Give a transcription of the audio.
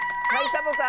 サボさん。